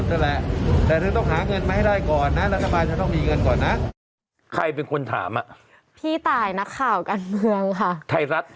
เอาละเห็นปะว่าอะไรมาขึ้น๕บาท